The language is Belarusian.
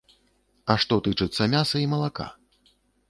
А што тычыцца мяса і малака?